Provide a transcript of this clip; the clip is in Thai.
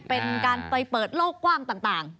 เป็นการไปเปิดโลกกว้างต่าง